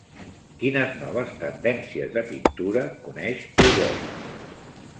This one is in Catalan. Quines noves tendències de pintura coneix Huguet?